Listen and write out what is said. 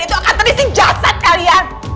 itu akan terising jasad kalian